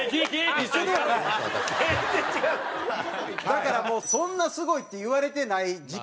だからもうそんなすごいって言われてない時期ですよ。